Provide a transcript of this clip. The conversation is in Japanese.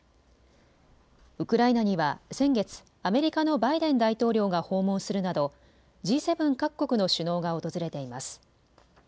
ウクライナには先月、アメリカのバイデン大統領が訪問するなどＧ７各国の首脳が訪れています。